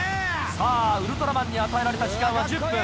さぁウルトラマンに与えられた時間は１０分。